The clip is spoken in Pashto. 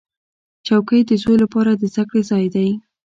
چوکۍ د زوی لپاره د زده کړې ځای دی.